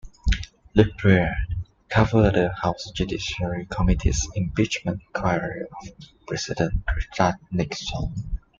Lehrer covered the House Judiciary Committee's impeachment inquiry of President Richard Nixon.